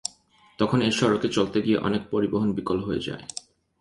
তখন এ সড়কে চলতে গিয়ে অনেক পরিবহন বিকল হয়ে যায়।